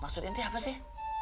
maksud inti apa sih